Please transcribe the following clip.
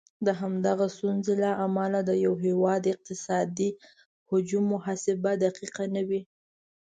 د همدغه ستونزې له امله د یو هیواد اقتصادي حجم محاسبه دقیقه نه وي.